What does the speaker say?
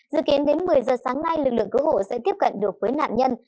dự kiến đến một mươi giờ sáng nay lực lượng cứu hộ sẽ tiếp cận được với nạn nhân